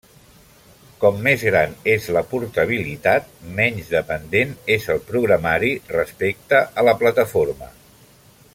Com més gran és la portabilitat, menys dependent és el programari respecte a la plataforma.